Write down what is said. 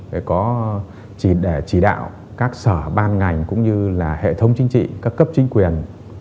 để có chỉ đạo các sở ban ngành cũng như là hệ thống chính trị các cấp chính quyền